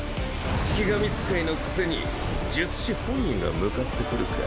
式神使いのくせに術師本人が向かってくるか。